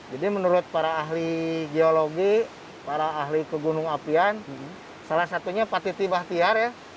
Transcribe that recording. jadi menurut para ahli geologi para ahli kegunung apian salah satunya pak titi bahtiar ya